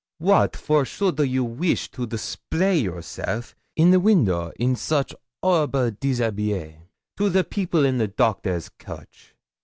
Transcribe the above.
Wat for should a you weesh to display yourself in the window in soche 'orrible déshabille to the people in the doctor's coach?'